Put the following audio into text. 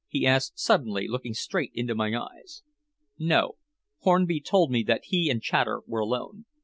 he asked suddenly, looking straight into my eyes. "No. Hornby told me that he and Chater were alone."